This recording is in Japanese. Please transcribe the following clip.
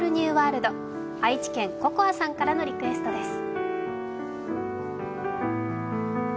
愛知県、ｃｏｃｏａさんからのリクエストです。